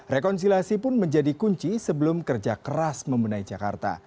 rekonsilasi pun menjadi kunci sebelum kerja keras membenai jakarta